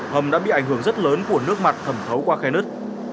hầm đã bị ảnh hưởng rất lớn của nước mặt thẩm thấu qua khe nứt